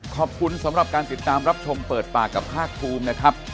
ขอบคุณสำหรับการติดตามรับชมเปิดปากกับภาคภูมินะครับ